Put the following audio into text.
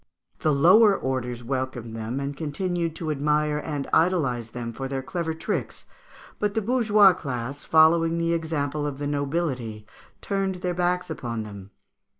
The lower orders welcomed them, and continued to admire and idolize them for their clever tricks (Fig. 173), but the bourgeois class, following the example of the nobility, turned their backs upon them.